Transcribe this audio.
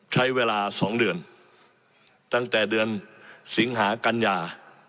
ใช้เวลา๒เดือนตั้งแต่เดือนสิงหากัญญา